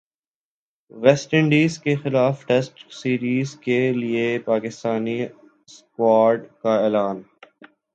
waste انڈیزکےخلاف test series کے لیےپاکستانی اسکواڈ کا اعلان